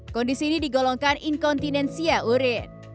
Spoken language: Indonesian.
kondisi ini digolongkan inkontinensia urin